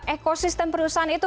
ekosistem perusahaan itu